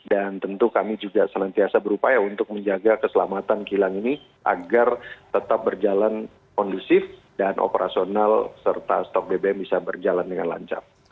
dan tentu kami juga selantiasa berupaya untuk menjaga keselamatan kilang ini agar tetap berjalan kondusif dan operasional serta stok bbm bisa berjalan dengan lancar